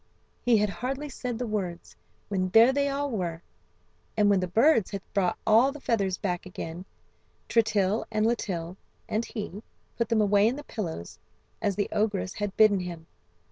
He had hardly said the words when there they all were; and when the birds had brought all the feathers back again, Tritill, and Litill, and he, put them away in the pillows, as the ogress had bidden him.